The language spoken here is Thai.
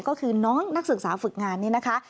ก็คือน้องนักศึกษาฝึกงานนี่นะคะ